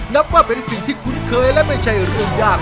นับว่าเป็นสิ่งที่คุ้นเคยและไม่ใช่เรื่องยาก